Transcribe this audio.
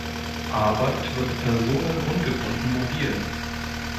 Arbeit wird personen-ungebunden mobil.